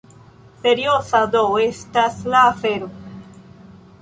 Serioza do estas la afero!